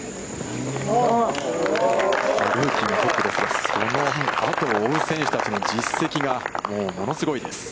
ルーキーがトップですが、その後を追う選手たちの実績が、物すごいです。